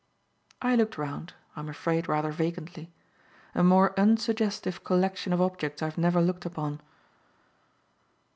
I looked round, I am afraid rather vacantly. A more unsuggestive collection of objects I have never looked upon.